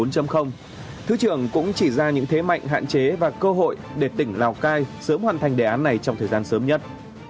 thứ trưởng cũng chỉ ra những thế mạnh hạn chế và cơ hội để tỉnh lào cai sớm hoàn thành đề án này trong thời gian sớm nhất